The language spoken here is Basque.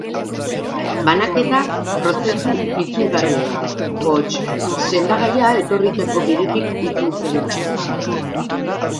Banaketa prozesu itzulgarria da, hots, sendagaia etorritako bidetik itzultzen da.